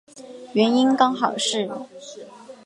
原因刚好是